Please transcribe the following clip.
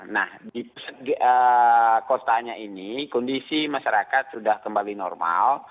nah di kotanya ini kondisi masyarakat sudah kembali normal